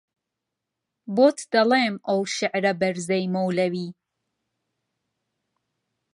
بۆت دەڵێم ئەو شێعرە بەرزەی مەولەوی